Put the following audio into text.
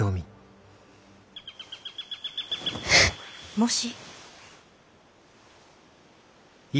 ・もし。